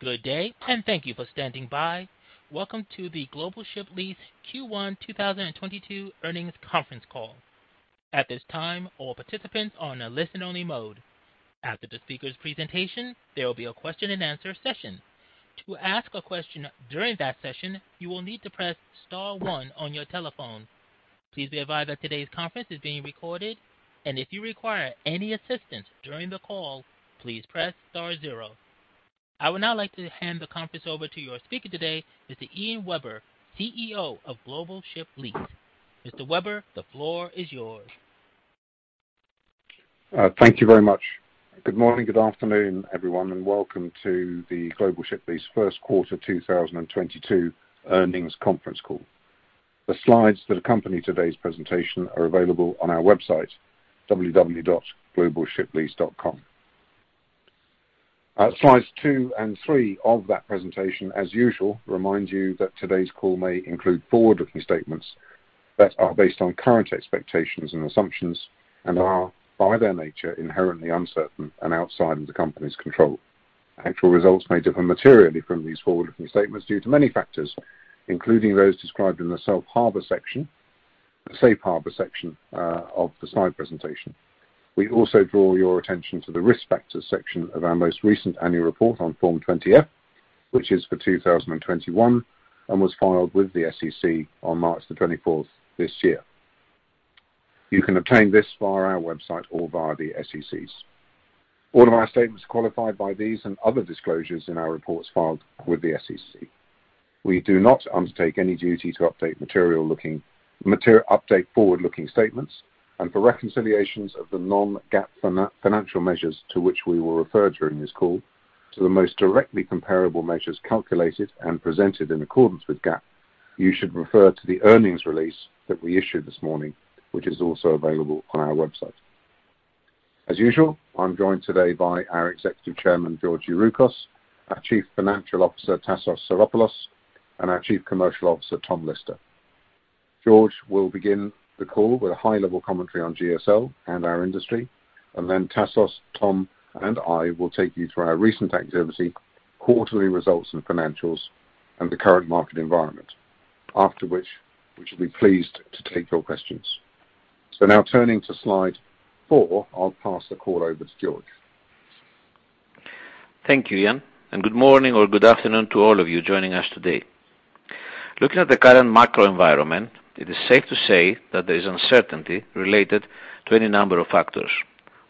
Good day, and thank you for standing by. Welcome to the Global Ship Lease Q1 2022 earnings conference call. At this time, all participants are on a listen-only mode. After the speaker's presentation, there will be a question and answer session. To ask a question during that session, you will need to press star one on your telephone. Please be advised that today's conference is being recorded, and if you require any assistance during the call, please press star zero. I would now like to hand the conference over to your speaker today, Mr. Ian Webber, CEO of Global Ship Lease. Mr. Webber, the floor is yours. Thank you very much. Good morning. Good afternoon, everyone, and welcome to the Global Ship Lease first quarter 2022 earnings conference call. The slides that accompany today's presentation are available on our website, www.globalshiplease.com. Slide two and three of that presentation, as usual, remind you that today's call may include forward-looking statements that are based on current expectations and assumptions and are, by their nature, inherently uncertain and outside of the company's control. Actual results may differ materially from these forward-looking statements due to many factors, including those described in the safe harbor section of the slide presentation. We also draw your attention to the risk factors section of our most recent annual report on Form 20-F, which is for 2021 and was filed with the SEC on March 24th this year. You can obtain this via our website or via the SEC's. All of our statements qualified by these and other disclosures in our reports filed with the SEC. We do not undertake any duty to update forward-looking statements and for reconciliations of the non-GAAP financial measures to which we will refer during this call to the most directly comparable measures calculated and presented in accordance with GAAP. You should refer to the earnings release that we issued this morning, which is also available on our website. As usual, I'm joined today by our Executive Chairman, George Youroukos, our Chief Financial Officer, Tassos Psaropoulos, and our Chief Commercial Officer, Tom Lister. George will begin the call with a high-level commentary on GSL and our industry, and then Tassos, Tom, and I will take you through our recent activity, quarterly results and financials, and the current market environment, after which we should be pleased to take your questions. Now turning to slide four, I'll pass the call over to George. Thank you, Ian, and good morning or good afternoon to all of you joining us today. Looking at the current macro environment, it is safe to say that there is uncertainty related to any number of factors,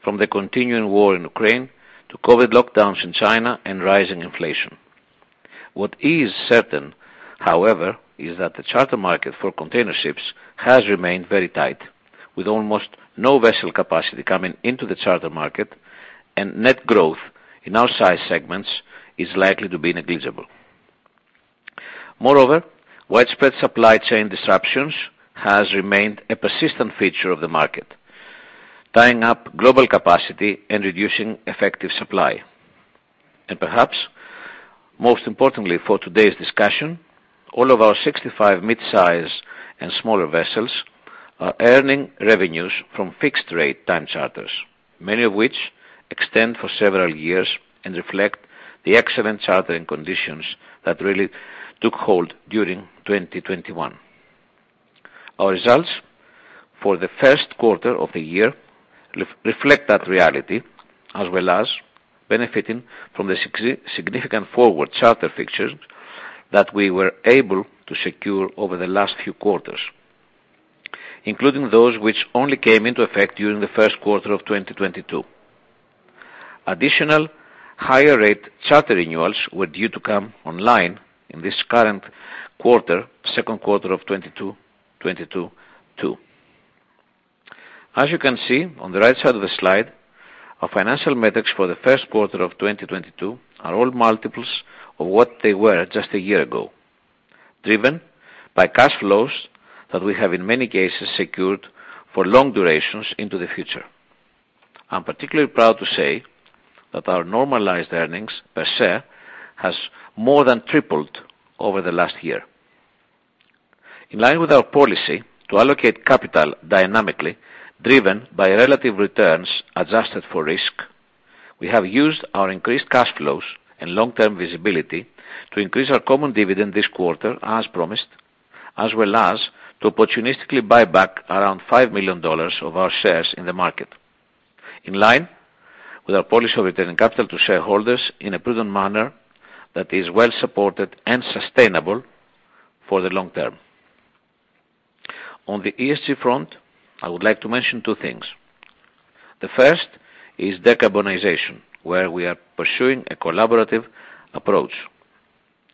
from the continuing war in Ukraine to COVID lockdowns in China and rising inflation. What is certain, however, is that the charter market for container ships has remained very tight, with almost no vessel capacity coming into the charter market, and net growth in our size segments is likely to be negligible. Moreover, widespread supply chain disruptions has remained a persistent feature of the market, tying up global capacity and reducing effective supply. Perhaps most importantly for today's discussion, all of our 65 mid-size and smaller vessels are earning revenues from fixed rate time charters, many of which extend for several years and reflect the excellent chartering conditions that really took hold during 2021. Our results for the first quarter of the year reflect that reality, as well as benefiting from the significant forward charter fixtures that we were able to secure over the last few quarters, including those which only came into effect during the first quarter of 2022. Additional higher rate charter renewals were due to come online in this current quarter, second quarter of 2022. As you can see on the right side of the slide, our financial metrics for the first quarter of 2022 are all multiples of what they were just a year ago, driven by cash flows that we have in many cases secured for long durations into the future. I'm particularly proud to say that our normalized earnings per share has more than tripled over the last year. In line with our policy to allocate capital dynamically driven by relative returns adjusted for risk, we have used our increased cash flows and long-term visibility to increase our common dividend this quarter as promised, as well as to opportunistically buy back around $5 million of our shares in the market. In line with our policy of returning capital to shareholders in a prudent manner that is well supported and sustainable for the long term. On the ESG front, I would like to mention two things. The first is decarbonization, where we are pursuing a collaborative approach.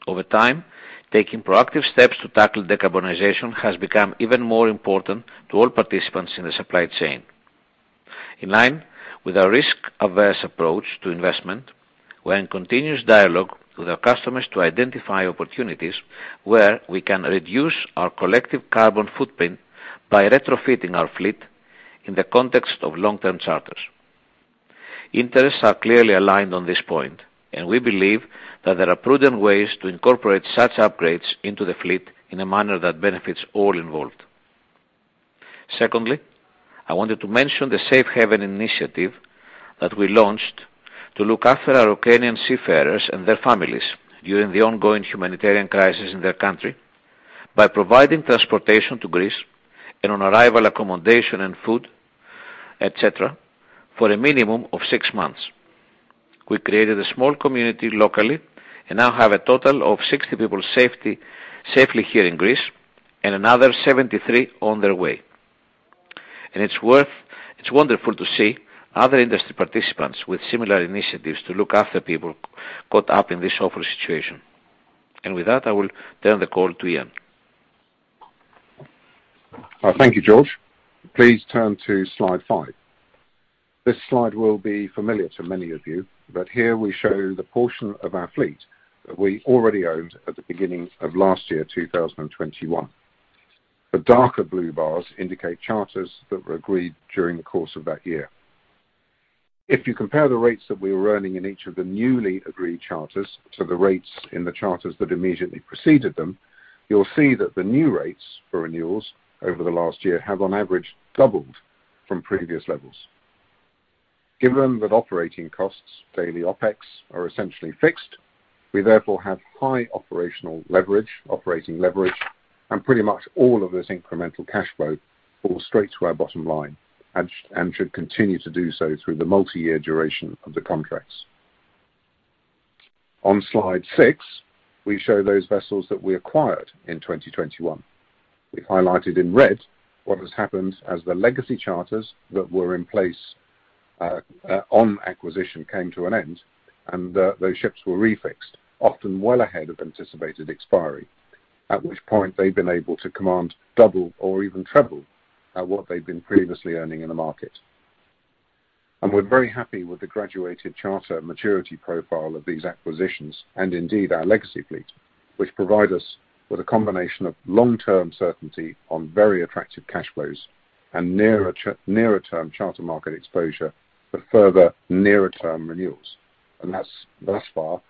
Over time, taking proactive steps to tackle decarbonization has become even more important to all participants in the supply chain. In line with our risk-averse approach to investment, we're in continuous dialogue with our customers to identify opportunities where we can reduce our collective carbon footprint by retrofitting our fleet in the context of long-term charters. Interests are clearly aligned on this point, and we believe that there are prudent ways to incorporate such upgrades into the fleet in a manner that benefits all involved. Secondly, I wanted to mention the Safe Haven initiative that we launched to look after our Ukrainian seafarers and their families during the ongoing humanitarian crisis in their country by providing transportation to Greece and on arrival accommodation and food, et cetera, for a minimum of six months. We created a small community locally and now have a total of 60 people safely here in Greece and another 73 on their way. It's wonderful to see other industry participants with similar initiatives to look after people caught up in this awful situation. With that, I will turn the call to Ian. Thank you, George. Please turn to slide five. This slide will be familiar to many of you, but here we show the portion of our fleet that we already owned at the beginning of last year, 2021. The darker blue bars indicate charters that were agreed during the course of that year. If you compare the rates that we were earning in each of the newly agreed charters to the rates in the charters that immediately preceded them, you'll see that the new rates for renewals over the last year have, on average, doubled from previous levels. Given that operating costs, daily OpEx, are essentially fixed, we therefore have high operational leverage, and pretty much all of this incremental cash flow falls straight to our bottom line and should continue to do so through the multi-year duration of the contracts. On slide six, we show those vessels that we acquired in 2021. We've highlighted in red what has happened as the legacy charters that were in place on acquisition came to an end, and those ships were refixed, often well ahead of anticipated expiry, at which point they've been able to command double or even triple what they've been previously earning in the market. We're very happy with the graduated charter maturity profile of these acquisitions, and indeed our legacy fleet, which provide us with a combination of long-term certainty on very attractive cash flows and nearer-term charter market exposure for further nearer-term renewals. That's thus far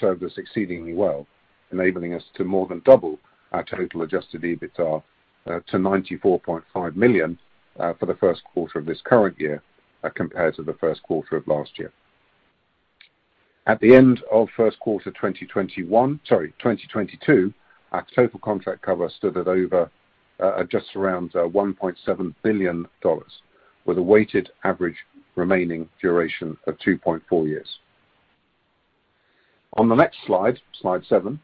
served us exceedingly well, enabling us to more than double our total adjusted EBITDA to $94.5 million for the first quarter of this current year as compared to the first quarter of last year. At the end of first quarter 2022, our total contract cover stood at over just around $1.7 billion, with a weighted average remaining duration of 2.4 years. On the next slide seven,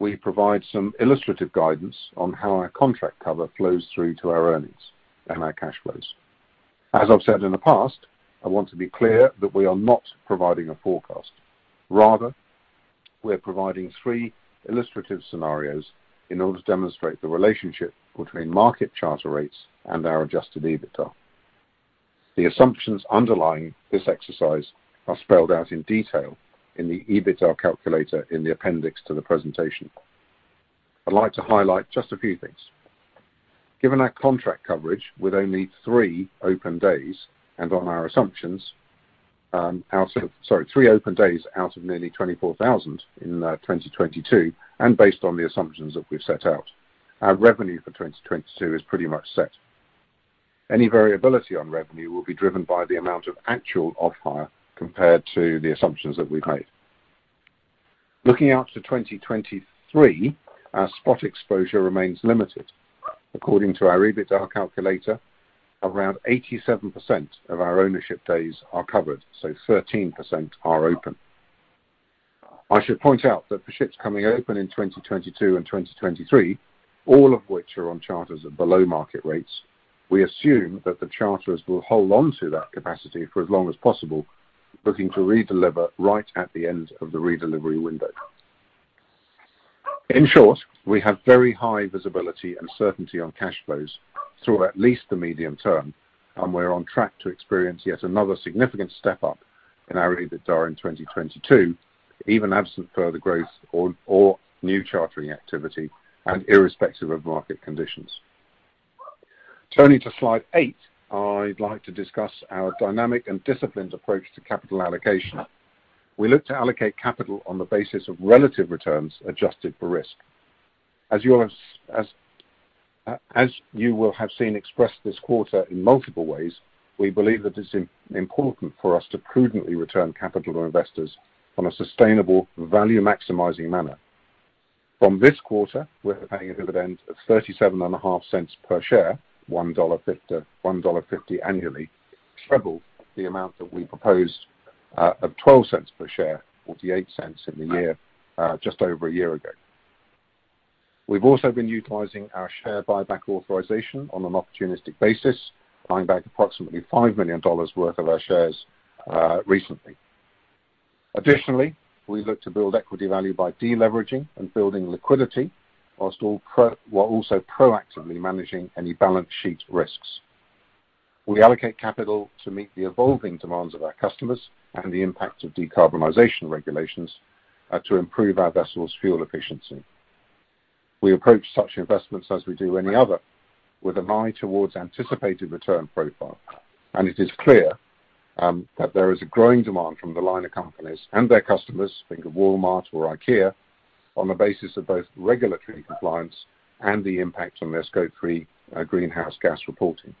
we provide some illustrative guidance on how our contract cover flows through to our earnings and our cash flows. As I've said in the past, I want to be clear that we are not providing a forecast. Rather, we're providing three illustrative scenarios in order to demonstrate the relationship between market charter rates and our adjusted EBITDA. The assumptions underlying this exercise are spelled out in detail in the EBITDA calculator in the appendix to the presentation. I'd like to highlight just a few things. Given our contract coverage with only three open days and on our assumptions, out of three open days out of nearly 24,000 in 2022, and based on the assumptions that we've set out, our revenue for 2022 is pretty much set. Any variability on revenue will be driven by the amount of actual off-hire compared to the assumptions that we've made. Looking out to 2023, our spot exposure remains limited. According to our EBITDA calculator, around 87% of our ownership days are covered, so 13% are open. I should point out that for ships coming open in 2022 and 2023, all of which are on charters at below-market rates, we assume that the charters will hold on to that capacity for as long as possible, looking to redeliver right at the end of the redelivery window. In short, we have very high visibility and certainty on cash flows through at least the medium term, and we're on track to experience yet another significant step-up in our EBITDA in 2022, even absent further growth or new chartering activity and irrespective of market conditions. Turning to slide eight, I'd like to discuss our dynamic and disciplined approach to capital allocation. We look to allocate capital on the basis of relative returns adjusted for risk. As you will have seen expressed this quarter in multiple ways, we believe that it's important for us to prudently return capital to investors in a sustainable value-maximizing manner. From this quarter, we're paying a dividend of $0.375 per share, $1.50 annually, treble the amount that we proposed of $0.12 per share, $0.48 in the year, just over a year ago. We've also been utilizing our share buyback authorization on an opportunistic basis, buying back approximately $5 million worth of our shares, recently. Additionally, we look to build equity value by deleveraging and building liquidity while also proactively managing any balance sheet risks. We allocate capital to meet the evolving demands of our customers and the impact of decarbonization regulations, to improve our vessels' fuel efficiency. We approach such investments as we do any other, with a mind towards anticipated return profile. It is clear that there is a growing demand from the liner companies and their customers, think of Walmart or IKEA, on the basis of both regulatory compliance and the impact on their Scope 3 greenhouse gas reporting.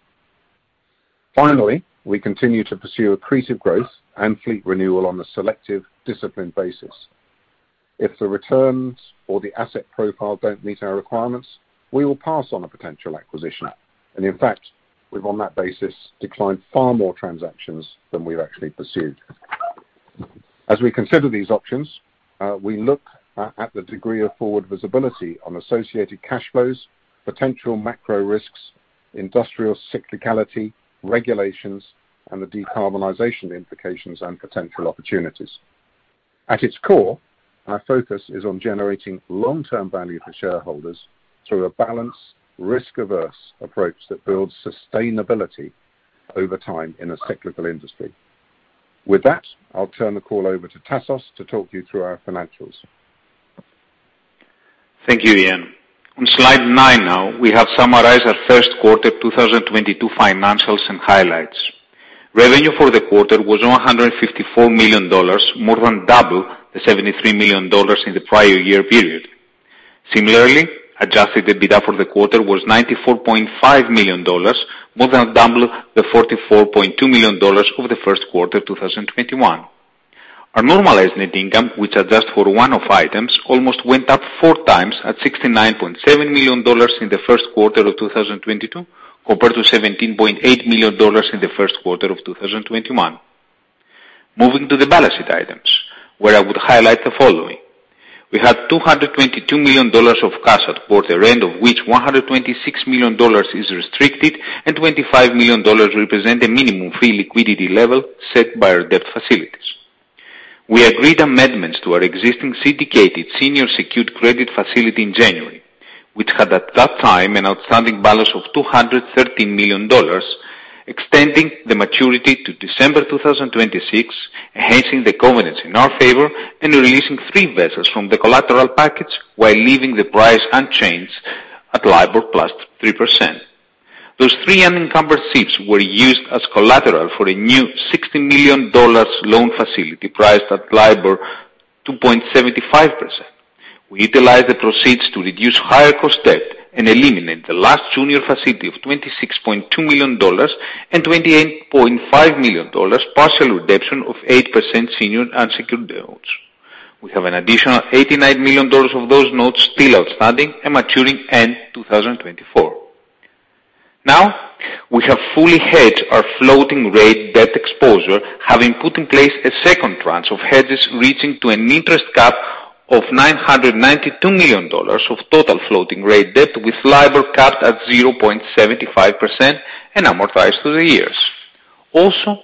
Finally, we continue to pursue accretive growth and fleet renewal on a selective discipline basis. If the returns or the asset profile don't meet our requirements, we will pass on a potential acquisition. In fact, we've, on that basis, declined far more transactions than we've actually pursued. As we consider these options, we look at the degree of forward visibility on associated cash flows, potential macro risks, industrial cyclicality, regulations, and the decarbonization implications and potential opportunities. At its core, our focus is on generating long-term value for shareholders through a balanced risk-averse approach that builds sustainability over time in a cyclical industry. With that, I'll turn the call over to Tassos to talk you through our financials. Thank you, Ian. On slide nine now, we have summarized our first quarter 2022 financials and highlights. Revenue for the quarter was $154 million, more than double the $73 million in the prior year period. Similarly, adjusted EBITDA for the quarter was $94.5 million, more than double the $44.2 million over the first quarter of 2021. Our normalized net income, which adjusted for one-off items, almost went up four times at $69.7 million in the first quarter of 2022 compared to $17.8 million in the first quarter of 2021. Moving to the balance sheet items, where I would highlight the following. We have $222 million of cash at quarter end, of which $126 million is restricted, and $25 million represent a minimum free liquidity level set by our debt facilities. We agreed amendments to our existing syndicated senior secured credit facility in January, which had at that time an outstanding balance of $213 million, extending the maturity to December 2026, enhancing the covenants in our favor, and releasing three vessels from the collateral package while leaving the price unchanged at LIBOR + 3%. Those three unencumbered ships were used as collateral for a new $60 million loan facility priced at LIBOR 2.75%. We utilized the proceeds to reduce higher cost debt and eliminate the last junior facility of $26.2 million and $28.5 million partial redemption of 8% senior unsecured notes. We have an additional $89 million of those notes still outstanding and maturing in 2024. Now, we have fully hedged our floating rate debt exposure, having put in place a second tranche of hedges reaching to an interest cap of $992 million of total floating rate debt with LIBOR capped at 0.75% and amortized through the years. Also,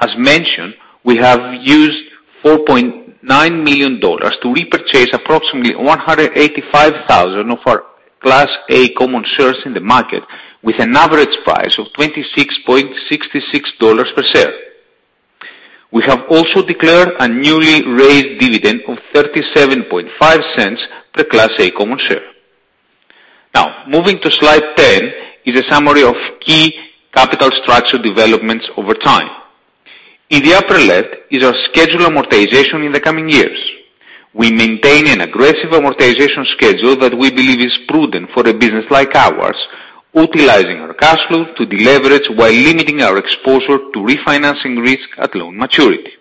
as mentioned, we have used $4.9 million to repurchase approximately 185,000 of our Class A common shares in the market with an average price of $26.66 per share. We have also declared a newly raised dividend of $0.375 per Class A common share. Now, moving to slide 10 is a summary of key capital structure developments over time. In the upper left is our scheduled amortization in the coming years. We maintain an aggressive amortization schedule that we believe is prudent for a business like ours, utilizing our cash flow to deleverage while limiting our exposure to refinancing risk at loan maturity.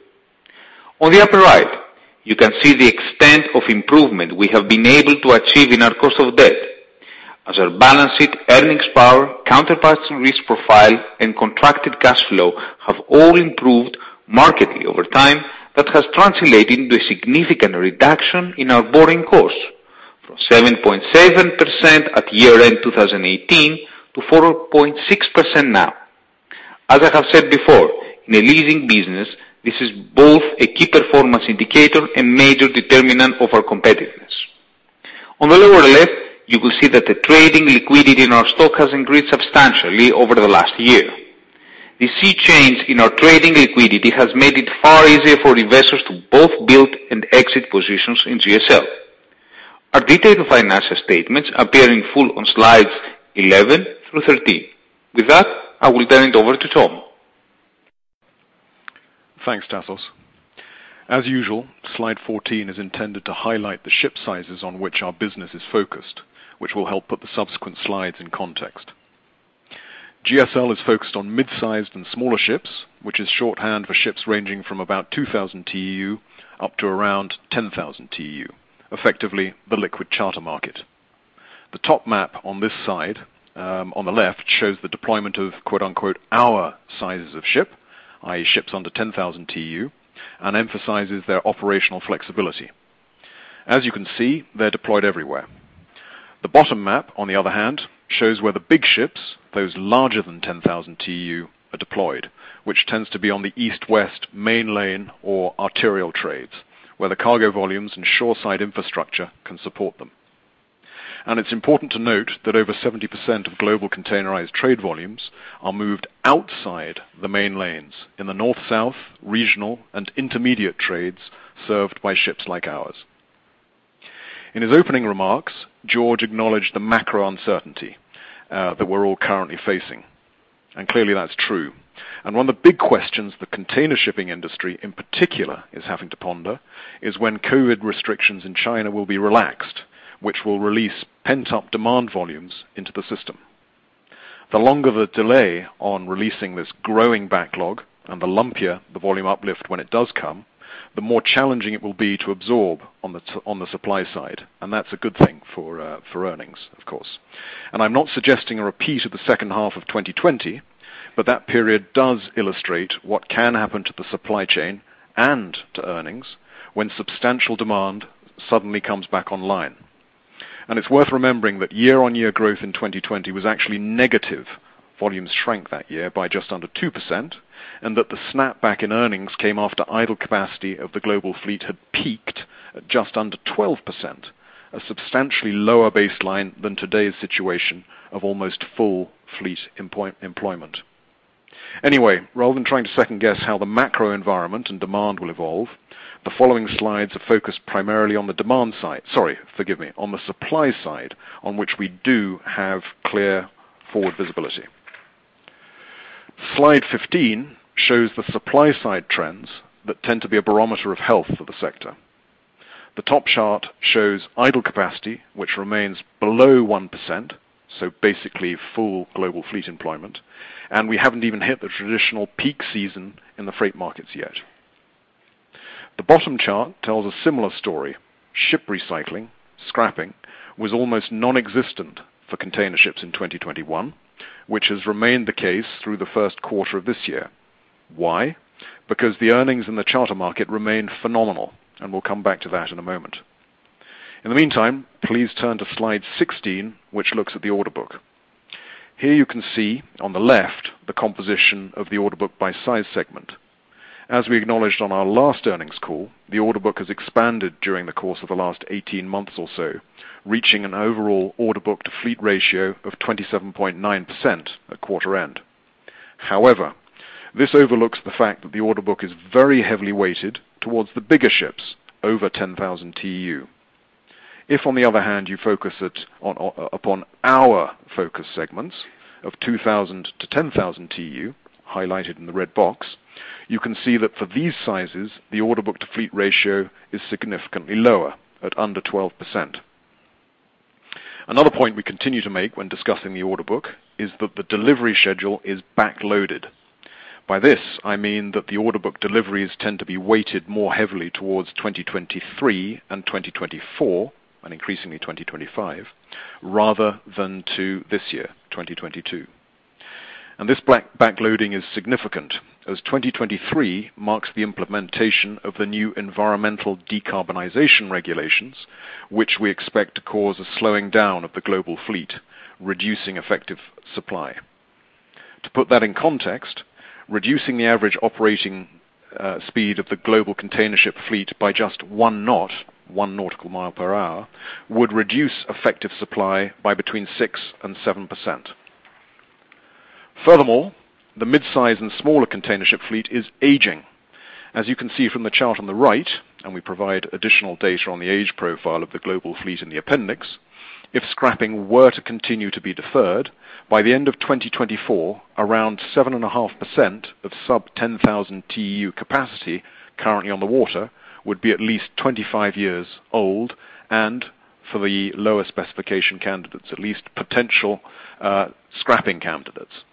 On the upper right, you can see the extent of improvement we have been able to achieve in our cost of debt. As our balance sheet, earnings power, counterparty risk profile, and contracted cash flow have all improved markedly over time, that has translated into a significant reduction in our borrowing costs from 7.7% at year-end 2018 to 4.6% now. As I have said before, in a leasing business, this is both a key performance indicator and major determinant of our competitiveness. On the lower left, you will see that the trading liquidity in our stock has increased substantially over the last year. The sea change in our trading liquidity has made it far easier for investors to both build and exit positions in GSL. Our detailed financial statements appear in full on slides 11 through 13. With that, I will turn it over to Tom. Thanks, Tassos. As usual, slide 14 is intended to highlight the ship sizes on which our business is focused, which will help put the subsequent slides in context. GSL is focused on mid-sized and smaller ships, which is shorthand for ships ranging from about 2,000 TEU up to around 10,000 TEU, effectively the liquid charter market. The top map on this side, on the left, shows the deployment of quote-unquote our sizes of ship, i.e., ships under 10,000 TEU, and emphasizes their operational flexibility. As you can see, they're deployed everywhere. The bottom map, on the other hand, shows where the big ships, those larger than 10,000 TEU, are deployed, which tends to be on the east-west main lane or arterial trades, where the cargo volumes and shoreside infrastructure can support them. It's important to note that over 70% of global containerized trade volumes are moved outside the main lanes in the north-south, regional, and intermediate trades served by ships like ours. In his opening remarks, George acknowledged the macro uncertainty that we're all currently facing, and clearly that's true. One of the big questions the container shipping industry in particular is having to ponder is when COVID restrictions in China will be relaxed, which will release pent-up demand volumes into the system. The longer the delay on releasing this growing backlog and the lumpier the volume uplift when it does come, the more challenging it will be to absorb on the supply side, and that's a good thing for earnings, of course. I'm not suggesting a repeat of the second half of 2020, but that period does illustrate what can happen to the supply chain and to earnings when substantial demand suddenly comes back online. It's worth remembering that year-on-year growth in 2020 was actually negative. Volumes shrank that year by just under 2%, and that the snapback in earnings came after idle capacity of the global fleet had peaked at just under 12%. A substantially lower baseline than today's situation of almost full fleet employment. Anyway, rather than trying to second-guess how the macro environment and demand will evolve, the following slides are focused primarily on the demand side. Sorry, forgive me. On the supply side, on which we do have clear forward visibility. Slide 15 shows the supply-side trends that tend to be a barometer of health for the sector. The top chart shows idle capacity, which remains below 1%, so basically full global fleet employment, and we haven't even hit the traditional peak season in the freight markets yet. The bottom chart tells a similar story. Ship recycling, scrapping, was almost non-existent for container ships in 2021, which has remained the case through the first quarter of this year. Why? Because the earnings in the charter market remained phenomenal, and we'll come back to that in a moment. In the meantime, please turn to slide 16, which looks at the order book. Here you can see on the left the composition of the order book by size segment. As we acknowledged on our last earnings call, the order book has expanded during the course of the last 18 months or so, reaching an overall order book to fleet ratio of 27.9% at quarter end. However, this overlooks the fact that the order book is very heavily weighted towards the bigger ships, over 10,000 TEU. If, on the other hand, you focus it on upon our focus segments of 2,000 TEU -10,000 TEU, highlighted in the red box, you can see that for these sizes, the order book to fleet ratio is significantly lower at under 12%. Another point we continue to make when discussing the order book is that the delivery schedule is backloaded. By this, I mean that the order book deliveries tend to be weighted more heavily towards 2023 and 2024, and increasingly 2025, rather than to this year, 2022. This backloading is significant, as 2023 marks the implementation of the new environmental decarbonization regulations, which we expect to cause a slowing down of the global fleet, reducing effective supply. To put that in context, reducing the average operating speed of the global container ship fleet by just one knot, one nautical mile per hour, would reduce effective supply by between 6% and 7%. Furthermore, the midsize and smaller container ship fleet is aging. As you can see from the chart on the right, and we provide additional data on the age profile of the global fleet in the appendix, if scrapping were to continue to be deferred, by the end of 2024, around 7.5% of sub-10,000 TEU capacity currently on the water would be at least 25 years old, and for the lower specification candidates, at least potential scrapping candidates.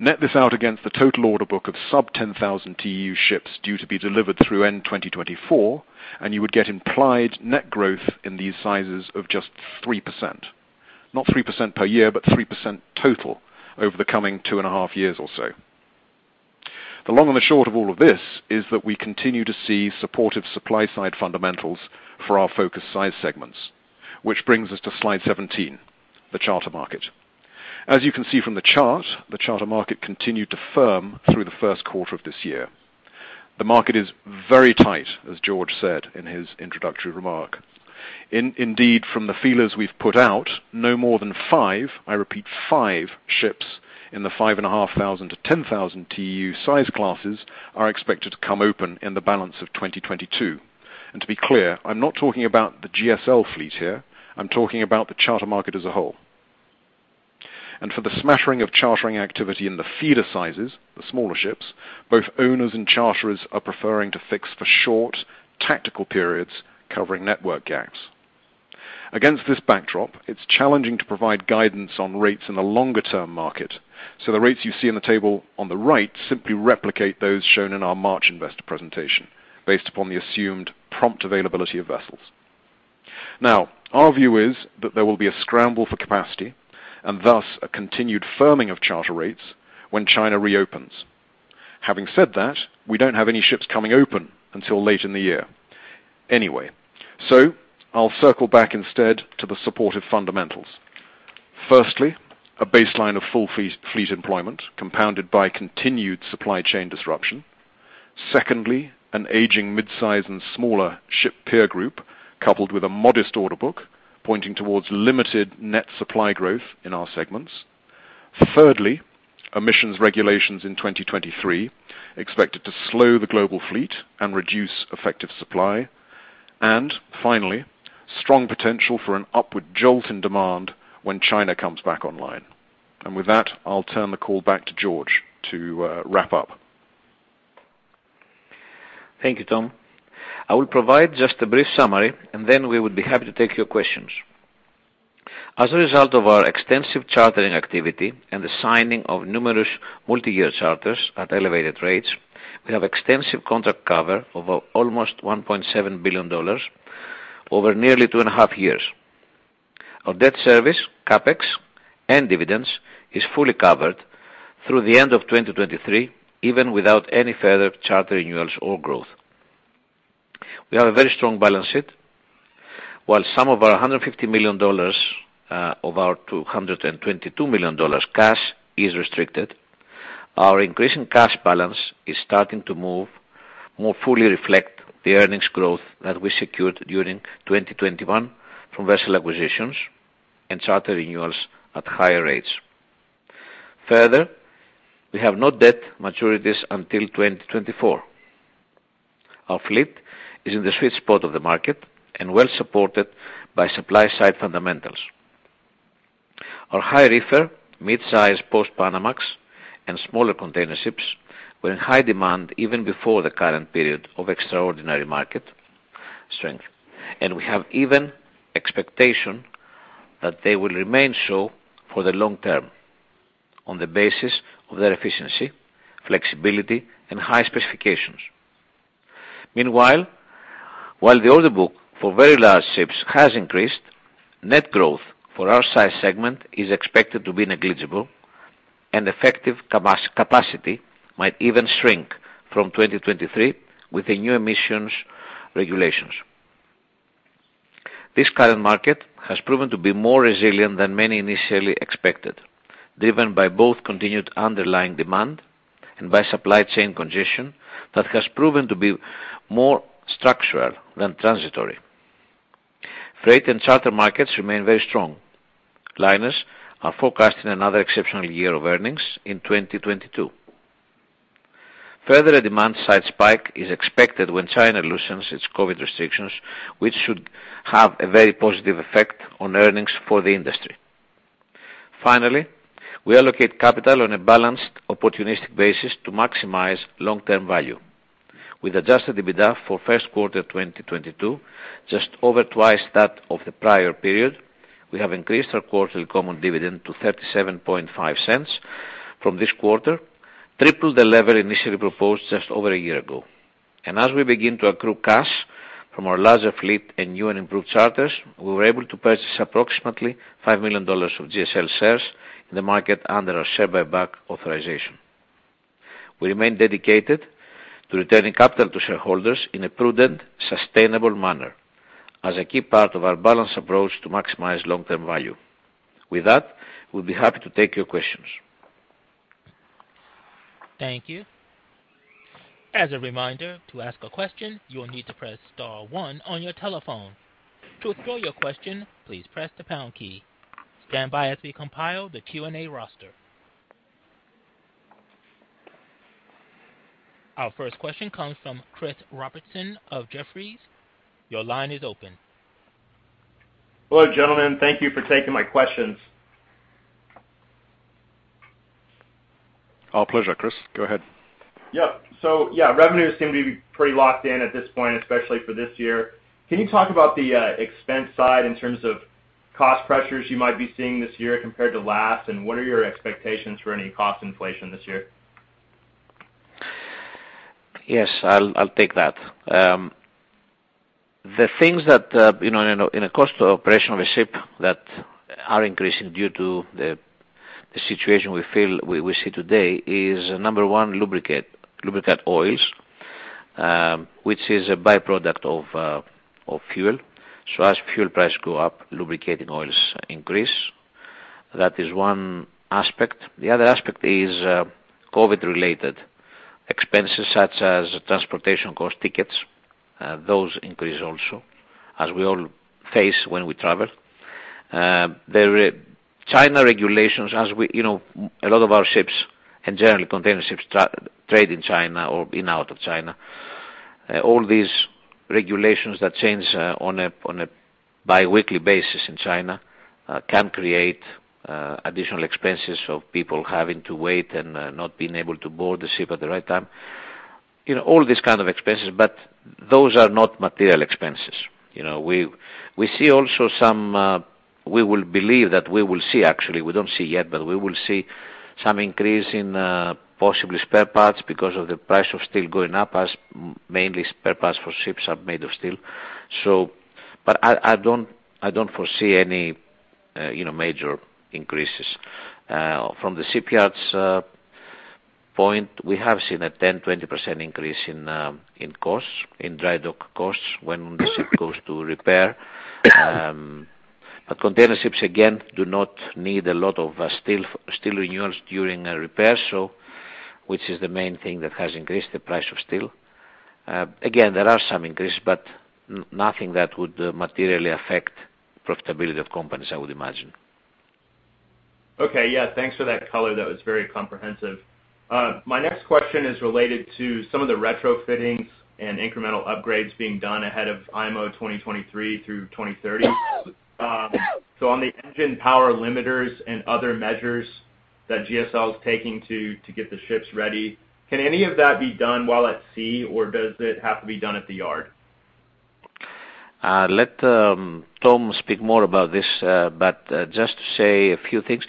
Net this out against the total order book of sub-10,000 TEU ships due to be delivered through end-2024, and you would get implied net growth in these sizes of just 3%. Not 3% per year, but 3% total over the coming 2.5 years or so. The long and short of all of this is that we continue to see supportive supply-side fundamentals for our focus size segments. Which brings us to slide 17, the charter market. As you can see from the chart, the charter market continued to firm through the first quarter of this year. The market is very tight, as George said in his introductory remark. Indeed, from the feelers we've put out, no more than five, I repeat, five ships in the 5,500-10,000 TEU size classes are expected to come open in the balance of 2022. To be clear, I'm not talking about the GSL fleet here, I'm talking about the charter market as a whole. For the smattering of chartering activity in the feeder sizes, the smaller ships, both owners and charterers are preferring to fix for short tactical periods covering network gaps. Against this backdrop, it's challenging to provide guidance on rates in the longer-term market. The rates you see in the table on the right simply replicate those shown in our March investor presentation based upon the assumed prompt availability of vessels. Now, our view is that there will be a scramble for capacity and thus a continued firming of charter rates when China reopens. Having said that, we don't have any ships coming open until late in the year. Anyway, so I'll circle back instead to the supportive fundamentals. Firstly, a baseline of full fleet employment compounded by continued supply chain disruption. Secondly, an aging mid-size and smaller ship peer group, coupled with a modest order book pointing towards limited net supply growth in our segments. Thirdly, emissions regulations in 2023 expected to slow the global fleet and reduce effective supply. Finally, strong potential for an upward jolt in demand when China comes back online. With that, I'll turn the call back to George to wrap up. Thank you, Tom. I will provide just a brief summary, and then we would be happy to take your questions. As a result of our extensive chartering activity and the signing of numerous multi-year charters at elevated rates, we have extensive contract cover of almost $1.7 billion over nearly 2.5 years. Our debt service, CapEx and dividends is fully covered through the end of 2023, even without any further charter renewals or growth. We have a very strong balance sheet. While some of our $150 million, of our $222 million cash is restricted, our increase in cash balance is starting to move more fully reflect the earnings growth that we secured during 2021 from vessel acquisitions and charter renewals at higher rates. Further, we have no debt maturities until 2024. Our fleet is in the sweet spot of the market and well supported by supply side fundamentals. Our high reefer, mid-size post-Panamax and smaller container ships were in high demand even before the current period of extraordinary market strength. We have even expectation that they will remain so for the long term on the basis of their efficiency, flexibility, and high specifications. Meanwhile, while the order book for very large ships has increased, net growth for our size segment is expected to be negligible and effective capacity might even shrink from 2023 with the new emissions regulations. This current market has proven to be more resilient than many initially expected, driven by both continued underlying demand and by supply chain congestion that has proven to be more structural than transitory. Freight and charter markets remain very strong. Liners are forecasting another exceptional year of earnings in 2022. Further demand side spike is expected when China loosens its COVID restrictions, which should have a very positive effect on earnings for the industry. Finally, we allocate capital on a balanced opportunistic basis to maximize long-term value. With adjusted EBITDA for first quarter 2022, just over twice that of the prior period, we have increased our quarterly common dividend to $0.375 from this quarter, triple the level initially proposed just over a year ago. As we begin to accrue cash from our larger fleet and new and improved charters, we were able to purchase approximately $5 million of GSL shares in the market under our share buyback authorization. We remain dedicated to returning capital to shareholders in a prudent, sustainable manner as a key part of our balanced approach to maximize long-term value. With that, we'll be happy to take your questions. Thank you. As a reminder, to ask a question, you will need to press star one on your telephone. To withdraw your question, please press the pound key. Stand by as we compile the Q&A roster. Our first question comes from Chris Robertson of Jefferies. Your line is open. Hello, gentlemen. Thank you for taking my questions. Our pleasure, Chris. Go ahead. Yep. Yeah, revenues seem to be pretty locked in at this point, especially for this year. Can you talk about the expense side in terms of cost pressures you might be seeing this year compared to last? What are your expectations for any cost inflation this year? Yes, I'll take that. The things that, you know, in a cost operation of a ship that are increasing due to the situation we feel we see today is, number one, lubricant oils, which is a byproduct of fuel. As fuel prices go up, lubricating oils increase. That is one aspect. The other aspect is, COVID-related expenses such as transportation cost tickets, those increase also, as we all face when we travel. The China regulations as we, you know, a lot of our ships and generally container ships trade in China or in out of China. All these regulations that change, on a bi-weekly basis in China, can create, additional expenses of people having to wait and, not being able to board the ship at the right time. You know, all these kind of expenses, but those are not material expenses. You know, we see also some, we will believe that we will see actually, we don't see yet, but we will see some increase in, possibly spare parts because of the price of steel going up as mainly spare parts for ships are made of steel. But I don't foresee any, you know, major increases. From the shipyards point, we have seen a 10%-20% increase in costs, in dry dock costs when the ship goes to repair. Container ships, again, do not need a lot of steel renewals during a repair, so which is the main thing that has increased the price of steel. Again, there are some increase, but nothing that would materially affect profitability of companies, I would imagine. Okay. Yeah, thanks for that color. That was very comprehensive. My next question is related to some of the retrofittings and incremental upgrades being done ahead of IMO 2023 through 2030. So on the engine power limiters and other measures that GSL is taking to get the ships ready, can any of that be done while at sea or does it have to be done at the yard? Let Tom speak more about this, but just to say a few things,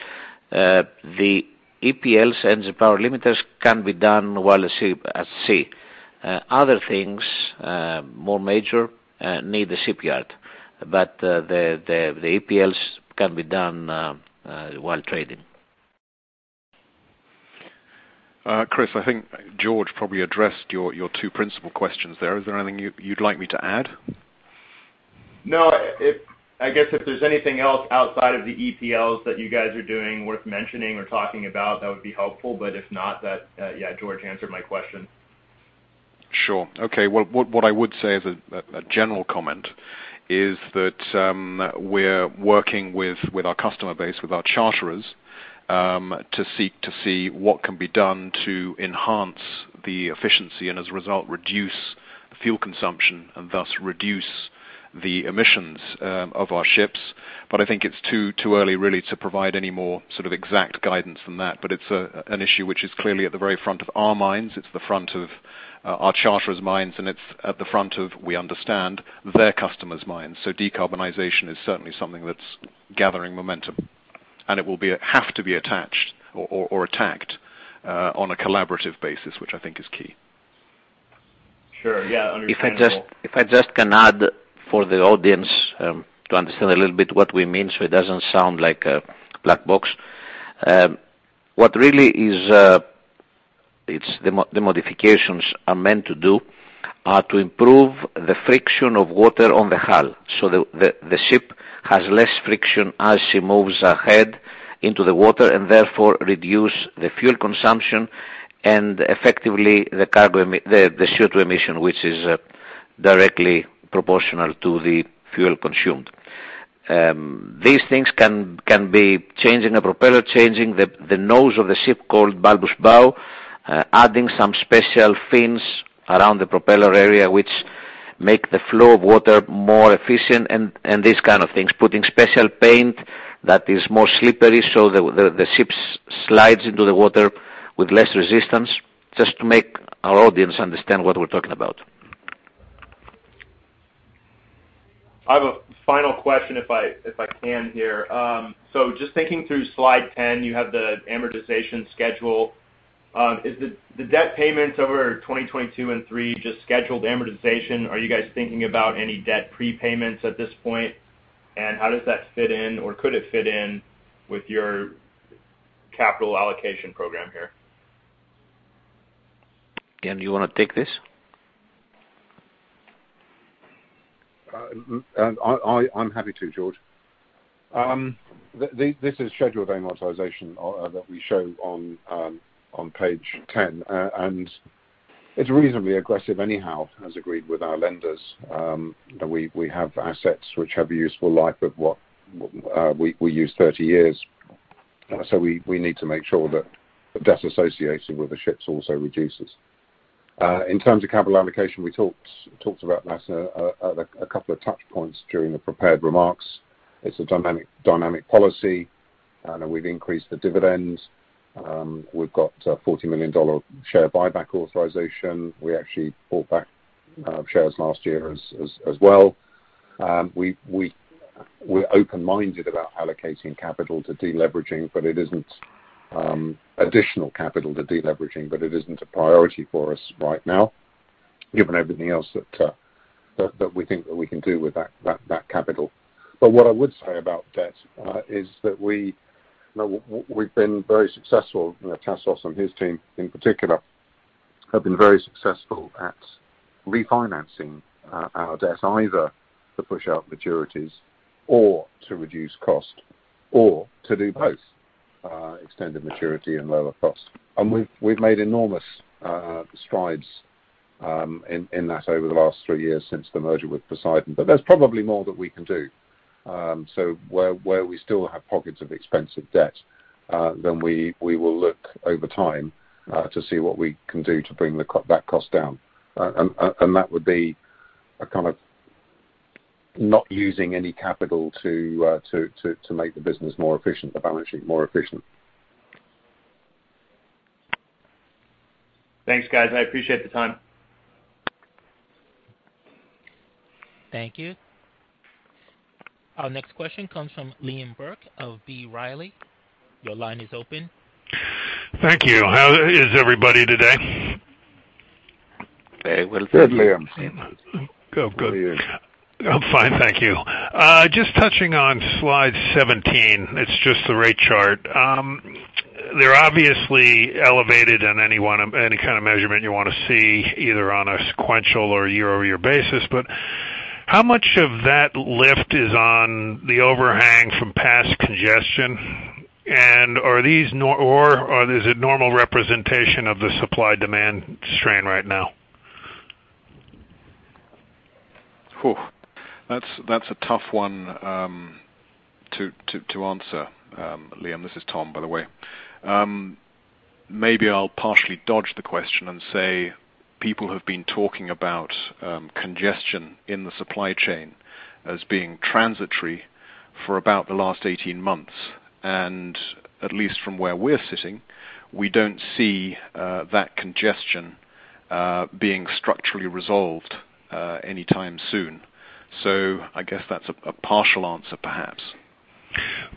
the EPLs, engine power limiters, can be done while the ship at sea. Other things, more major, need the shipyard, but the EPLs can be done while trading. Chris, I think George probably addressed your two principal questions there. Is there anything you'd like me to add? No. If I guess if there's anything else outside of the EPLs that you guys are doing worth mentioning or talking about, that would be helpful. But if not, that, yeah, George answered my question. Sure. Okay. Well, what I would say as a general comment is that we're working with our customer base, with our charterers, to seek to see what can be done to enhance the efficiency and as a result, reduce fuel consumption and thus reduce the emissions of our ships. I think it's too early really to provide any more sort of exact guidance than that. It's an issue which is clearly at the very front of our minds, it's the front of our charterers' minds, and it's at the front of, we understand, their customers' minds. Decarbonization is certainly something that's gathering momentum, and it will have to be attached or attacked on a collaborative basis, which I think is key. Sure. Yeah. Understandable. If I just can add for the audience to understand a little bit what we mean so it doesn't sound like a black box. What the modifications are meant to do are to improve the friction of water on the hull so the ship has less friction as she moves ahead into the water and therefore reduce the fuel consumption and effectively the CO2 emission, which is directly proportional to the fuel consumed. These things can be changing a propeller, changing the nose of the ship called bulbous bow, adding some special fins around the propeller area which make the flow of water more efficient and these kind of things. Putting special paint that is more slippery so the ship slides into the water with less resistance just to make our audience understand what we're talking about. I have a final question if I can here. Just thinking through slide 10, you have the amortization schedule. Is the debt payments over 2022 and 2023 just scheduled amortization? Are you guys thinking about any debt prepayments at this point? How does that fit in, or could it fit in with your capital allocation program here? Ian, do you wanna take this? I'm happy to, George. This is scheduled amortization that we show on page 10. It's reasonably aggressive anyhow, as agreed with our lenders, that we have assets which have a useful life of 30 years. We need to make sure that the debt associated with the ships also reduces. In terms of capital allocation, we talked about that at a couple of touch points during the prepared remarks. It's a dynamic policy, and we've increased the dividends. We've got a $40 million share buyback authorization. We actually bought back shares last year as well. We're open-minded about allocating capital to deleveraging, but it isn't additional capital to deleveraging, but it isn't a priority for us right now, given everything else that we think that we can do with that capital. What I would say about debt is that we, you know, we've been very successful. You know, Tassos and his team in particular have been very successful at refinancing our debt either to push out maturities or to reduce cost or to do both, extended maturity and lower cost. We've made enormous strides in that over the last three years since the merger with Poseidon. There's probably more that we can do. Where we still have pockets of expensive debt, then we will look over time to see what we can do to bring that cost down. That would be a kind of not using any capital to make the business more efficient, the balance sheet more efficient. Thanks, guys. I appreciate the time. Thank you. Our next question comes from Liam Burke of B. Riley. Your line is open. Thank you. How is everybody today? Very well, thank you. Good, Liam. Good. Good. How are you? I'm fine, thank you. Just touching on slide 17, it's just the rate chart. They're obviously elevated on any one of any kind of measurement you wanna see, either on a sequential or year-over-year basis. How much of that lift is on the overhang from past congestion? And are these or is it normal representation of the supply demand strain right now? Whew. That's a tough one to answer. Liam, this is Tom, by the way. Maybe I'll partially dodge the question and say people have been talking about congestion in the supply chain as being transitory for about the last 18 months. At least from where we're sitting, we don't see that congestion being structurally resolved anytime soon. I guess that's a partial answer, perhaps.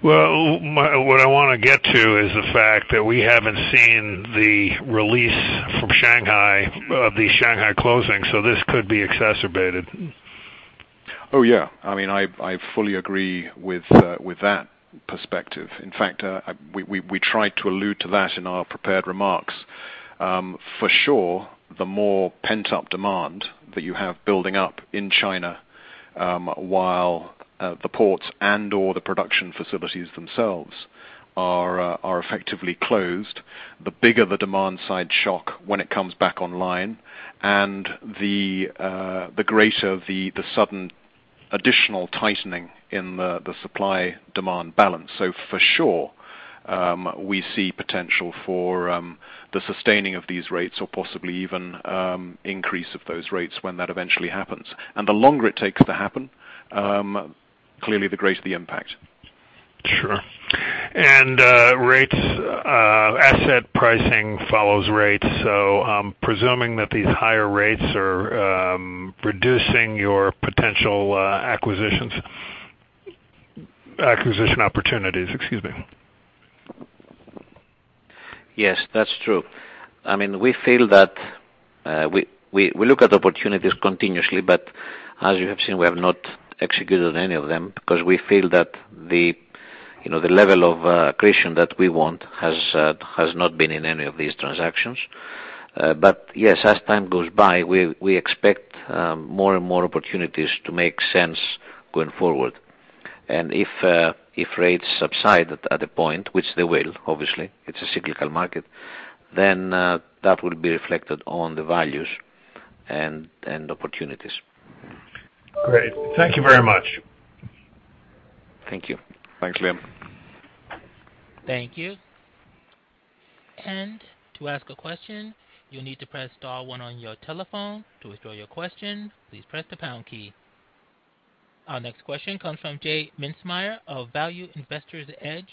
Well, what I wanna get to is the fact that we haven't seen the release from Shanghai, of the Shanghai closing, so this could be exacerbated. Oh, yeah. I mean, I fully agree with that perspective. In fact, we tried to allude to that in our prepared remarks. For sure, the more pent-up demand that you have building up in China, while the ports and/or the production facilities themselves are effectively closed, the bigger the demand side shock when it comes back online, and the greater the sudden additional tightening in the supply-demand balance. So for sure, we see potential for the sustaining of these rates or possibly even increase of those rates when that eventually happens. The longer it takes to happen, clearly the greater the impact. Sure. Rates, asset pricing follows rates, so presuming that these higher rates are reducing your potential acquisition opportunities, excuse me. Yes, that's true. I mean, we feel that we look at opportunities continuously, but as you have seen, we have not executed any of them because we feel that the, you know, the level of accretion that we want has not been in any of these transactions. Yes, as time goes by, we expect more and more opportunities to make sense going forward. If rates subside at a point, which they will, obviously, it's a cyclical market, then that will be reflected on the values and opportunities. Great. Thank you very much. Thank you. Thanks, Liam. Thank you. To ask a question, you need to press star one on your telephone. To withdraw your question, please press the pound key. Our next question comes from J. Mintzmyer of Value Investor's Edge.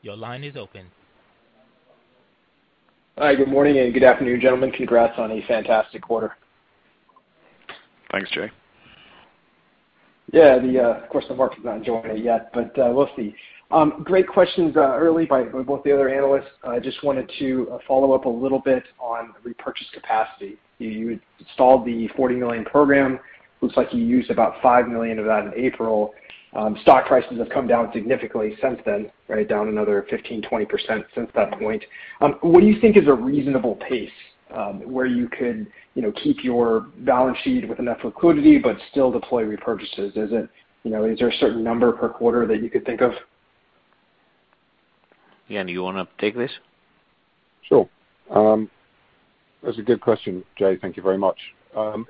Your line is open. Hi, good morning and good afternoon, gentlemen. Congrats on a fantastic quarter. Thanks, J. Yeah, of course, the market's not enjoying it yet, but we'll see. Great questions early by both the other analysts. I just wanted to follow up a little bit on repurchase capacity. You installed the $40 million program. Looks like you used about $5 million of that in April. Stock prices have come down significantly since then, right? Down another 15%-20% since that point. What do you think is a reasonable pace, where you could, you know, keep your balance sheet with enough liquidity but still deploy repurchases? Is it, you know, is there a certain number per quarter that you could think of? Ian, do you wanna take this? Sure. That's a good question, J. Thank you very much.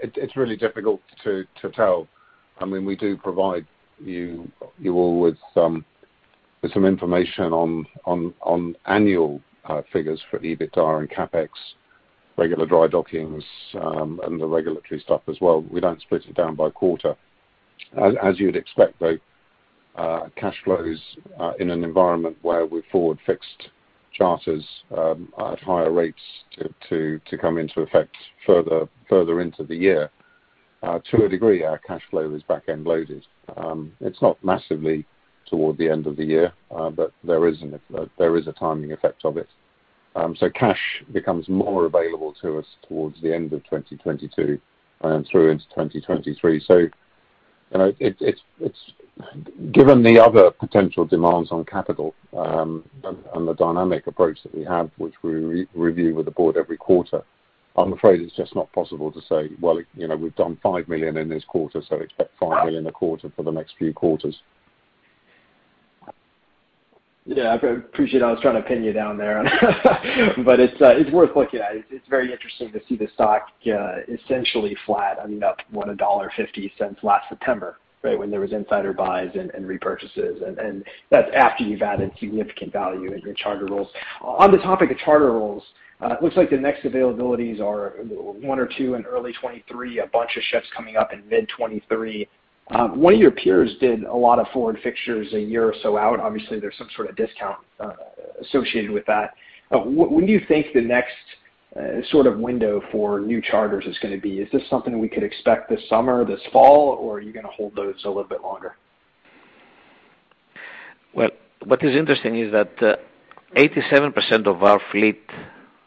It's really difficult to tell. I mean, we do provide you all with some information on annual figures for EBITDA and CapEx, regular dry dockings, and the regulatory stuff as well. We don't split it down by quarter. As you'd expect, though, cash flows in an environment where we forward-fixed charters at higher rates to come into effect further into the year. To a degree, our cash flow is back-end loaded. It's not massively toward the end of the year, but there is a timing effect of it. Cash becomes more available to us towards the end of 2022 and through into 2023. You know, it's given the other potential demands on capital, and the dynamic approach that we have, which we re-review with the board every quarter, I'm afraid it's just not possible to say, "Well, you know, we've done $5 million in this quarter, so expect $5 million a quarter for the next few quarters. Yeah, I appreciate I was trying to pin you down there. It's worth looking at. It's very interesting to see the stock essentially flat. I mean, up, what, $1.50 since last September, right? When there was insider buys and repurchases. That's after you've added significant value in your charter rollovers. On the topic of charter rollovers, it looks like the next availabilities are one or two in early 2023, a bunch of ships coming up in mid 2023. One of your peers did a lot of forward fixtures a year or so out. Obviously, there's some sort of discount associated with that. When do you think the next sort of window for new charters is gonna be? Is this something we could expect this summer, this fall, or are you gonna hold those a little bit longer? Well, what is interesting is that 87% of our fleet,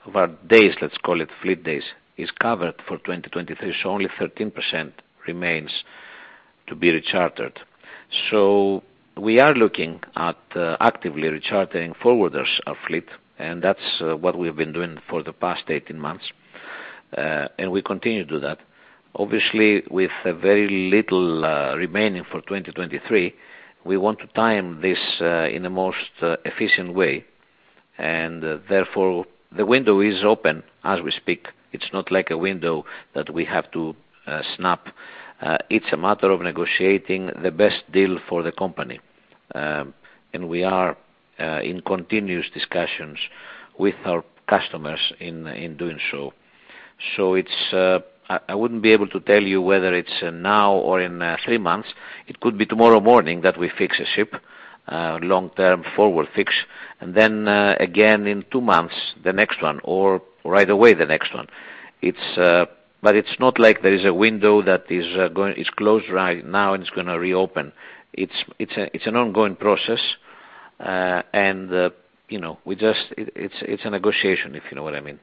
of our days, let's call it fleet days, is covered for 2023, so only 13% remains to be rechartered. We are looking at actively rechartering for our fleet, and that's what we've been doing for the past 18 months. We continue to do that. Obviously, with very little remaining for 2023, we want to time this in the most efficient way. Therefore the window is open as we speak. It's not like a window that we have to snap. It's a matter of negotiating the best deal for the company. We are in continuous discussions with our customers in doing so. It's I wouldn't be able to tell you whether it's now or in three months. It could be tomorrow morning that we fix a ship, long-term forward fix. Then, again in two months, the next one or right away the next one. It's, but it's not like there is a window that is closed right now and it's gonna reopen. It's an ongoing process. You know, it's a negotiation, if you know what I mean.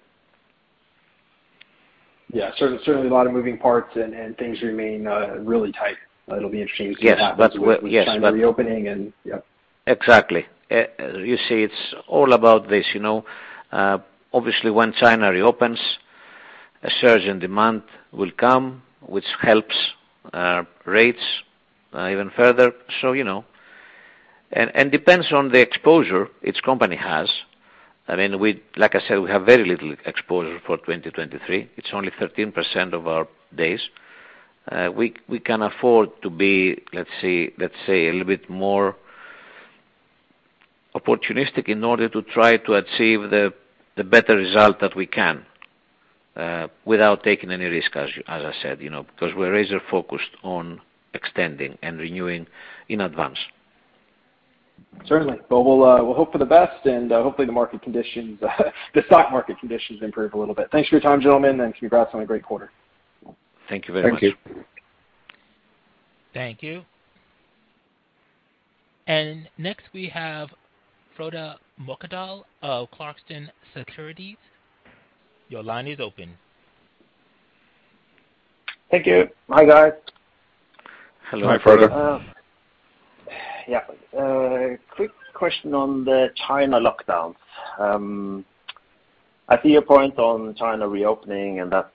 Yeah. Certainly a lot of moving parts and things remain really tight. It'll be interesting to see what happens. Yes. with China reopening and. Yep. Exactly. You see, it's all about this, you know. Obviously when China reopens, a surge in demand will come, which helps rates even further. You know. Depends on the exposure each company has. I mean, like I said, we have very little exposure for 2023. It's only 13% of our days. We can afford to be, let's see, let's say a little bit more opportunistic in order to try to achieve the better result that we can, without taking any risk as I said, you know. Because we're razor-focused on extending and renewing in advance. Certainly. We'll hope for the best and hopefully the market conditions, the stock market conditions improve a little bit. Thanks for your time, gentlemen, and congrats on a great quarter. Thank you very much. Thank you. Thank you. Next we have Frode Mørkedal of Clarksons Securities. Your line is open. Thank you. Hi, guys. Hello. Uh. Hi, Frode. Yeah. Quick question on the China lockdowns. I see your point on China reopening, and that's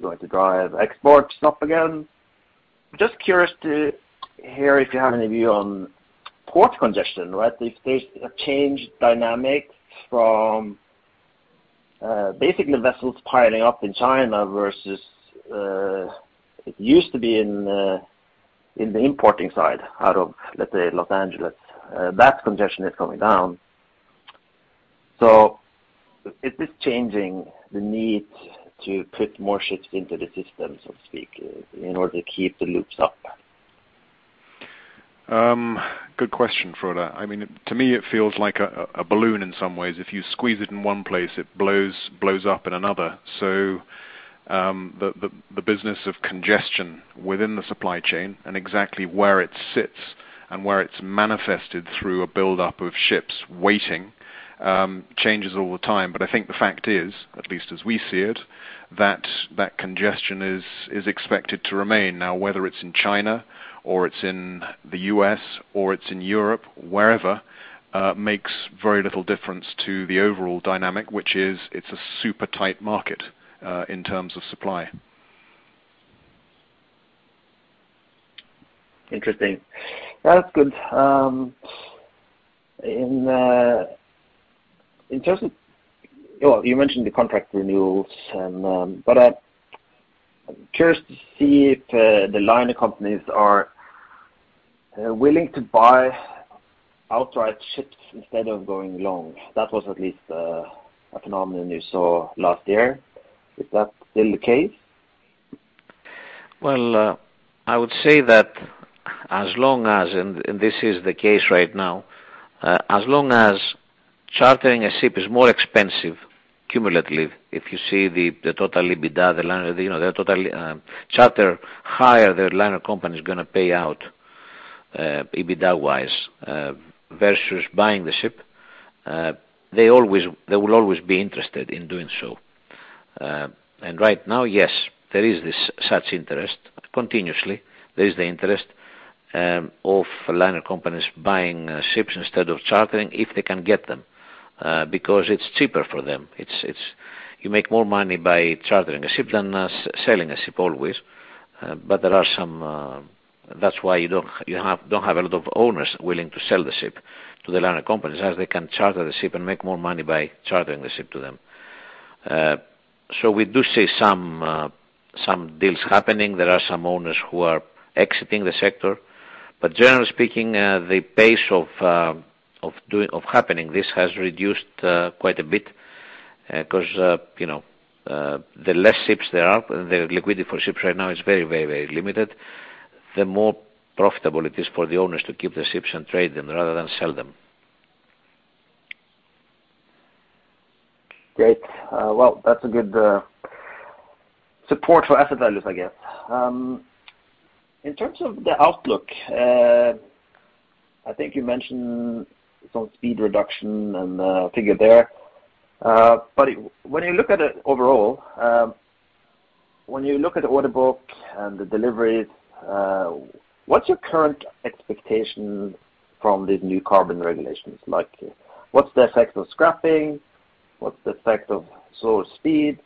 going to drive exports up again. Just curious to hear if you have any view on port congestion, right? If there's a changed dynamic from basically vessels piling up in China versus it used to be in the importing side out of, let's say, Los Angeles. That congestion is coming down. Is this changing the need to put more ships into the system, so to speak, in order to keep the loops up? Good question, Frode. I mean, to me it feels like a balloon in some ways. If you squeeze it in one place, it blows up in another. The business of congestion within the supply chain and exactly where it sits and where it's manifested through a buildup of ships waiting changes all the time. I think the fact is, at least as we see it, that congestion is expected to remain. Now, whether it's in China or it's in the U.S. or it's in Europe, wherever, makes very little difference to the overall dynamic, which is it's a super tight market in terms of supply. Interesting. That's good. Well, you mentioned the contract renewals and, but I'm curious to see if the liner companies are willing to buy outright ships instead of going long. That was at least a phenomenon you saw last year. Is that still the case? Well, I would say that as long as this is the case right now, as long as chartering a ship is more expensive cumulatively, if you see the total EBITDA, the liner, you know, the total charter hire the liner company's gonna pay out, EBITDA-wise, versus buying the ship, they will always be interested in doing so. Right now, yes, there is this such interest continuously. There is the interest of liner companies buying ships instead of chartering if they can get them, because it's cheaper for them. You make more money by chartering a ship than selling a ship always. There are some. That's why you don't have a lot of owners willing to sell the ship to the liner companies, as they can charter the ship and make more money by chartering the ship to them. We do see some deals happening. There are some owners who are exiting the sector. Generally speaking, the pace of this happening has reduced quite a bit, 'cause you know, the less ships there are, the liquidity for ships right now is very limited. The more profitable it is for the owners to keep the ships and trade them rather than sell them. Great. Well, that's a good support for asset values, I guess. In terms of the outlook, I think you mentioned some speed reduction and figure there. When you look at the order book and the deliveries, what's your current expectation from the new carbon regulations? Like, what's the effect of scrapping? What's the effect of slower speeds?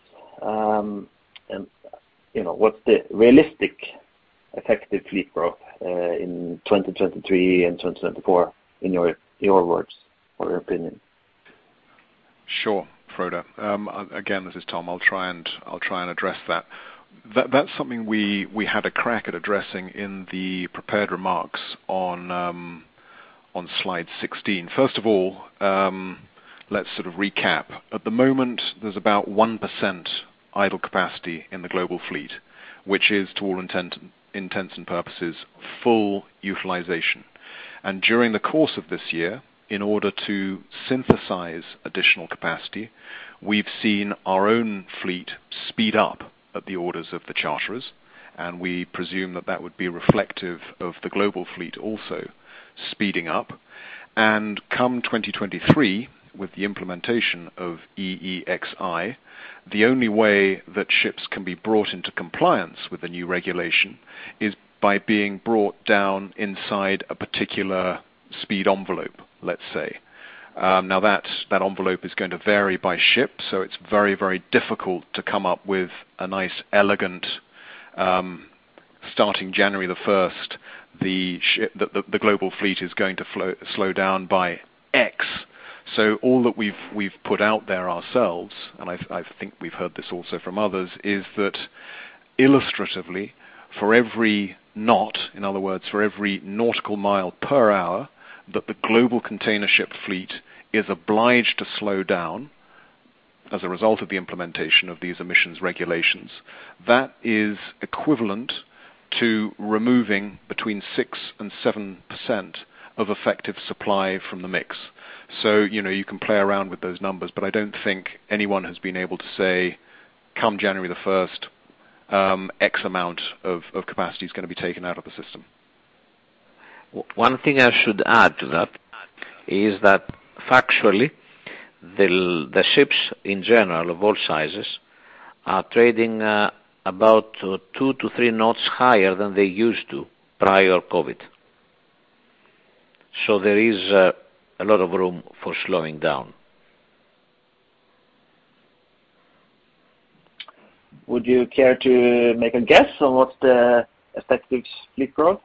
You know, what's the realistic effective fleet growth in 2023 and 2024 in your words or your opinion? Sure, Frode. Again, this is Tom. I'll try and address that. That's something we had a crack at addressing in the prepared remarks on slide 16. First of all, let's sort of recap. At the moment, there's about 1% idle capacity in the global fleet, which is to all intents and purposes, full utilization. During the course of this year, in order to synthesize additional capacity, we've seen our own fleet speed up at the orders of the charterers, and we presume that would be reflective of the global fleet also speeding up. Come 2023, with the implementation of EEXI, the only way that ships can be brought into compliance with the new regulation is by being brought down inside a particular speed envelope, let's say. Now that envelope is going to vary by ship, so it's very, very difficult to come up with a nice elegant starting January the first, the global fleet is going to slow down by X. All that we've put out there ourselves, and I think we've heard this also from others, is that illustratively, for every knot, in other words, for every nautical mile per hour, that the global container ship fleet is obliged to slow down as a result of the implementation of these emissions regulations. That is equivalent to removing between 6% and 7% of effective supply from the mix. You know, you can play around with those numbers, but I don't think anyone has been able to say, come January the 1st, X amount of capacity is gonna be taken out of the system. One thing I should add to that is that factually, the ships in general of all sizes are trading about two-three knots higher than they used to prior COVID. There is a lot of room for slowing down. Would you care to make a guess on what's the effective fleet growth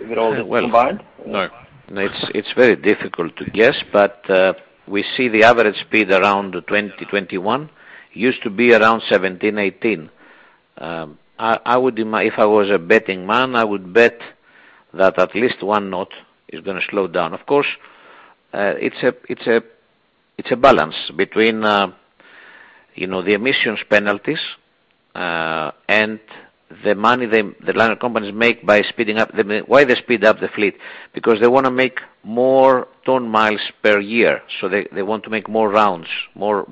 with all the combined? Well, no. It's very difficult to guess, but we see the average speed around 20-21. It used to be around 17, 18. I would if I was a betting man, I would bet that at least one knot is gonna slow down. Of course, it's a balance between, you know, the emissions penalties and the money the liner companies make by speeding up. Why they speed up the fleet? Because they wanna make more ton miles per year. So they want to make more rounds. More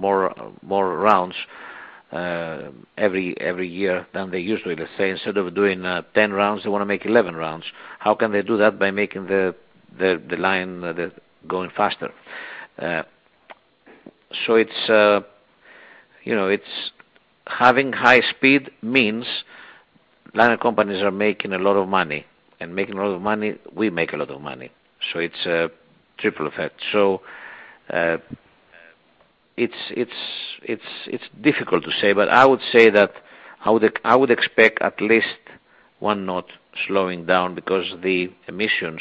rounds every year than they usually. Let's say, instead of doing 10 rounds, they wanna make 11 rounds. How can they do that? By making the liner going faster. It's having high speed means liner companies are making a lot of money, and we make a lot of money. It's a triple effect. It's difficult to say, but I would say that I would expect at least one knot slowing down because the emissions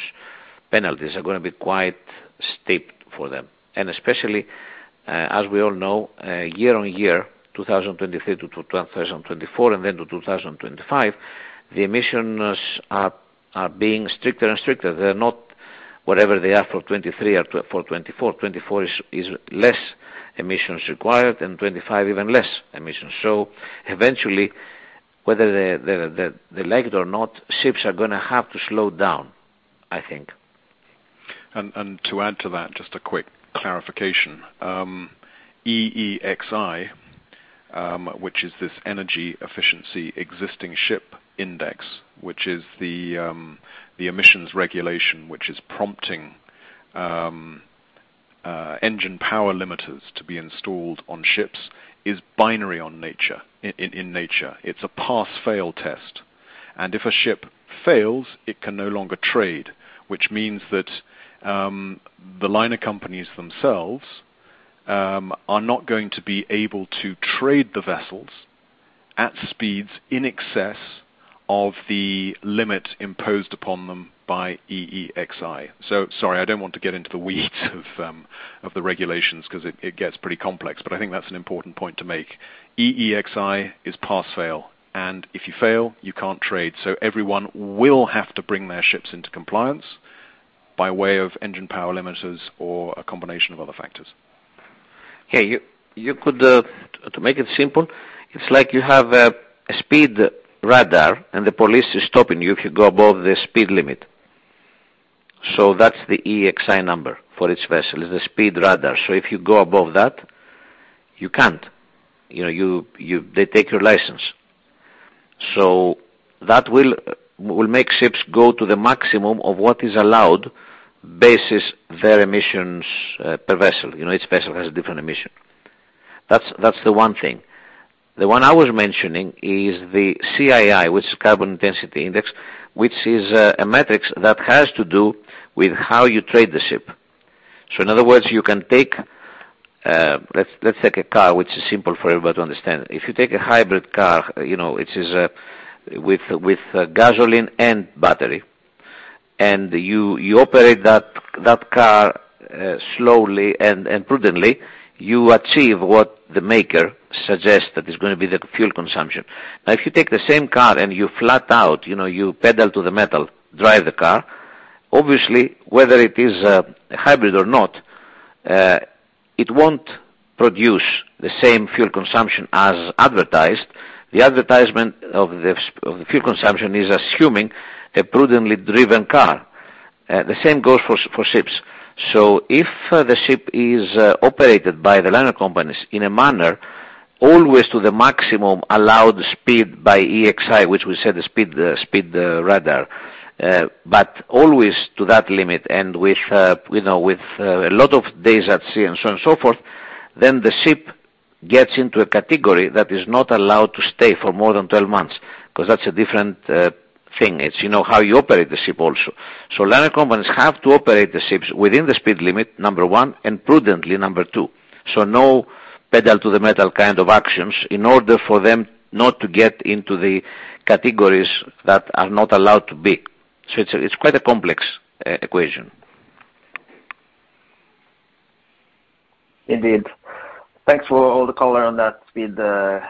penalties are gonna be quite steep for them. Especially, as we all know, year on year, 2023 - 2024 and then to 2025, the emissions are being stricter and stricter. They're not whatever they are for 2023 or for 2024. 2024 is less emissions required and 2025 even less emissions. Eventually, whether they like it or not, ships are gonna have to slow down, I think. To add to that, just a quick clarification. EEXI, which is this Energy Efficiency Existing Ship Index, which is the emissions regulation, which is prompting engine power limiters to be installed on ships, is binary in nature. It's a pass/fail test. If a ship fails, it can no longer trade, which means that the liner companies themselves are not going to be able to trade the vessels at speeds in excess of the limit imposed upon them by EEXI. Sorry, I don't want to get into the weeds of the regulations 'cause it gets pretty complex, but I think that's an important point to make. EEXI is pass/fail, and if you fail, you can't trade. Everyone will have to bring their ships into compliance by way of engine power limiters or a combination of other factors. Yeah, you could to make it simple, it's like you have a speed radar and the police is stopping you if you go above the speed limit. That's the EEXI number for each vessel. It's a speed radar. If you go above that, you can't. You know, they take your license. That will make ships go to the maximum of what is allowed, based on their emissions per vessel. You know, each vessel has a different emission. That's the one thing. The one I was mentioning is the CII, which is Carbon Intensity Indicator, which is a metric that has to do with how you trade the ship. In other words, you can take, let's take a car which is simple for everybody to understand. If you take a hybrid car, you know, which is with gasoline and battery, and you operate that car slowly and prudently, you achieve what the maker suggests that is gonna be the fuel consumption. Now, if you take the same car and you flat out, you know, you pedal to the metal, drive the car, obviously whether it is a hybrid or not, it won't produce the same fuel consumption as advertised. The advertisement of the fuel consumption is assuming a prudently driven car. The same goes for ships. If the ship is operated by the liner companies in a manner always to the maximum allowed speed by EEXI, which we said is speed rated, but always to that limit and with, you know, with a lot of days at sea and so on and so forth, then the ship gets into a category that is not allowed to stay for more than 12 months 'cause that's a different thing. It's, you know, how you operate the ship also. Liner companies have to operate the ships within the speed limit, number one, and prudently, number two. No pedal to the metal kind of actions in order for them not to get into the categories that are not allowed to be. It's quite a complex equation. Indeed. Thanks for all the color on that with the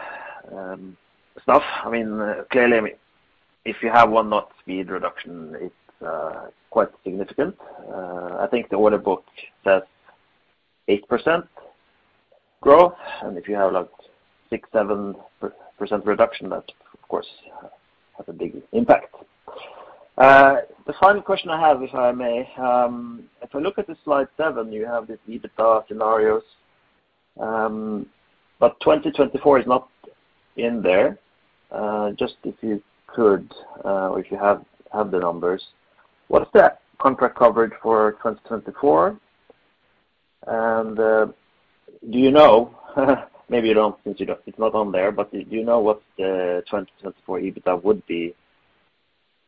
stuff. I mean, clearly, if you have one knot speed reduction, it's quite significant. I think the order book says 8% growth, and if you have like 6%-7% reduction, that, of course, has a big impact. The final question I have, if I may, if I look at the slide seven, you have these EBITDA scenarios, but 2024 is not in there. Just if you could, or if you have the numbers, what is that contract coverage for 2024? Do you know, maybe you don't since it's not on there, but do you know what 2024 EBITDA would be,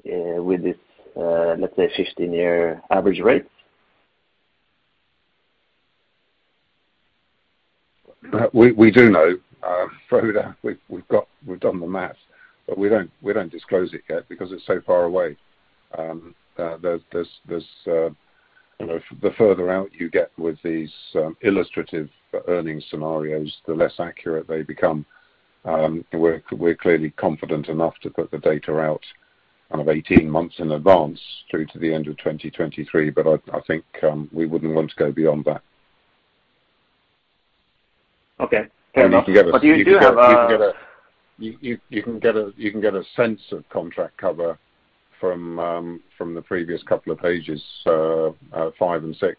with this, let's say, 15-year average rate? We do know, Frode. We've done the math, but we don't disclose it yet because it's so far away. There's, you know, the further out you get with these illustrative earnings scenarios, the less accurate they become. We're clearly confident enough to put the data out 18 months in advance through to the end of 2023, but I think we wouldn't want to go beyond that. Okay. Fair enough. You can get a- But do you have a- You can get a sense of contract cover from the previous couple of pages, five and six,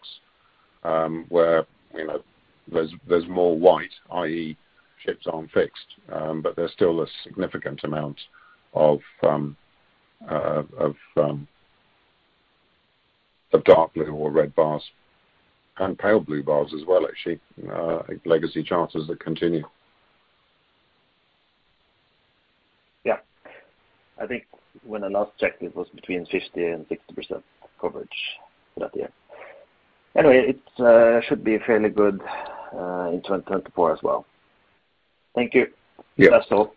where you know there's more white, i.e., ships aren't fixed, but there's still a significant amount of dark blue or red bars and pale blue bars as well actually, legacy charters that continue. Yeah. I think when I last checked it was between 50% and 60% coverage that year. Anyway, it should be fairly good in 2024 as well. Thank you. Yeah. That's all.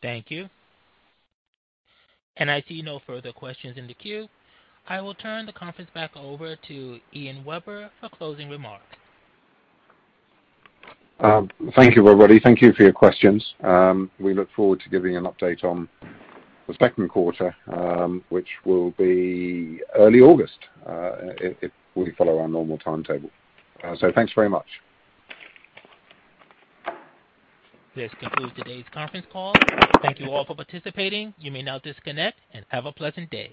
Thank you. I see no further questions in the queue. I will turn the conference back over to Ian Webber for closing remarks. Thank you, everybody. Thank you for your questions. We look forward to giving an update on the second quarter, which will be early August, if we follow our normal timetable. Thanks very much. This concludes today's conference call. Thank you all for participating. You may now disconnect and have a pleasant day.